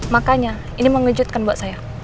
makanya ini mengejutkan buat saya